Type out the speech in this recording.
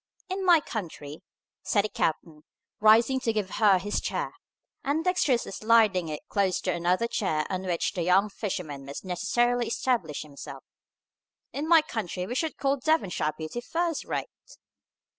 "In my country," said the captain, rising to give her his chair, and dexterously sliding it close to another chair on which the young fisherman must necessarily establish himself, "in my country we should call Devonshire beauty first rate!"